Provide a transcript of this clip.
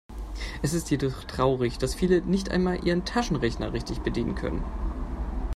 Es ist jedoch traurig, dass viele nicht einmal ihren Taschenrechner richtig bedienen können.